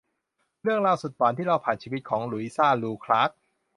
เรื่องราวสุดหวานที่เล่าผ่านชีวิตของ หลุยซ่า ลู คล้าก